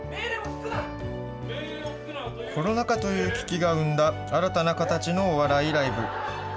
コロナ禍という危機が生んだ、新たな形のお笑いライブ。